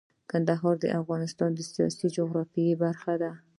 کندهار د افغانستان د سیاسي جغرافیه برخه ده.